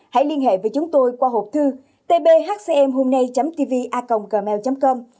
hãy liên hệ với chúng tôi qua hộp thư tbhcmhômnay tvacomgmail com